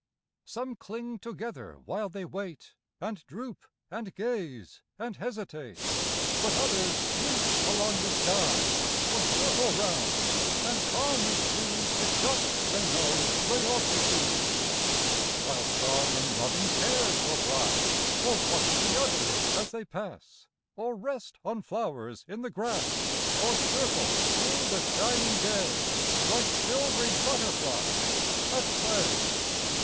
Some cling together while they wait, And droop and gaze and hesitate, But others leap along the sky, Or circle round and calmly choose The gust they know they ought to use; While some in loving pairs will glide, Or watch the others as they pass, Or rest on flowers in the grass, Or circle through the shining day Like silvery butterflies at play.